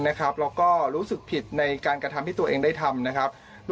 และรู้สึกผิดในการกระทำที่ตัวเองได้ทำ